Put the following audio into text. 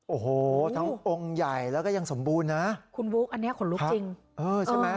โอ้โฮทั้งองค์ใหญ่และก็ยังสมบูรณ์นะคุณบู๊คอันนี้ขนลุคะจริง